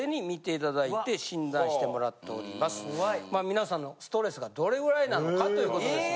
皆さんのストレスがどれぐらいなのかということですが。